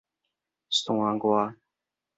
山外